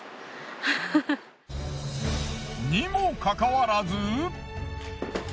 にもかかわらず。